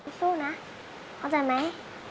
สู้นะเข้าใจมั้ย